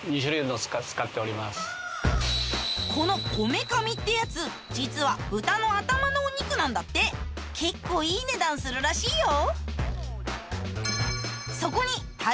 この「こめかみ」ってやつ実は豚の頭のお肉なんだって結構いい値段するらしいよ